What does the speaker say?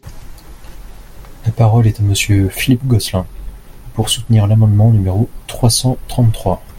La parole est à Monsieur Philippe Gosselin, pour soutenir l’amendement numéro trois cent trente-trois.